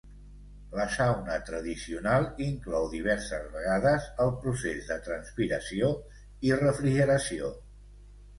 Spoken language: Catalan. La sauna tradicional inclou diverses vegades el procés de transpiració i refrigeració.